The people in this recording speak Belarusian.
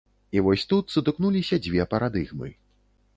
І вось тут сутыкнуліся дзве парадыгмы.